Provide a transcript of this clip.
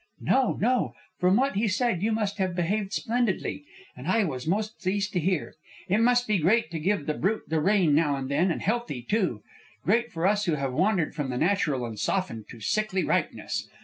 "No! no! From what he said you must have behaved splendidly. And I was most pleased to hear. It must be great to give the brute the rein now and again, and healthy, too. Great for us who have wandered from the natural and softened to sickly ripeness.